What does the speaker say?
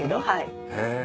はい。